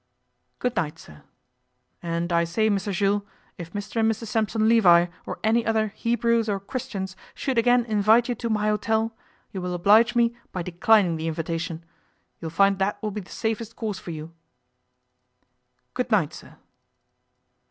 'Good night, sir.' 'And, I say, Mr Jules, if Mr and Mrs Sampson Levi, or any other Hebrews or Christians, should again invite you to my hotel you will oblige me by declining the invitation. You'll find that will be the safest course for you.' 'Good night, sir.